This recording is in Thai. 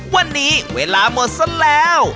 วันนี้เวลาหมดซะแล้ว